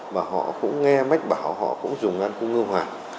và họ cũng nghe mách bảo họ cũng dùng an cung ngư hoàng